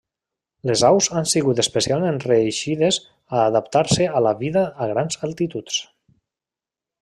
Les aus han sigut especialment reeixides a adaptar-se a la vida a grans altituds.